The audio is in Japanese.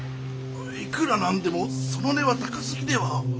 いくらなんでもその値は高すぎでは。